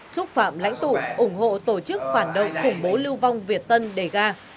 xúc phạm lãnh tụ ủng hộ tổ chức phản động khủng bố lưu vong việt tân đề ga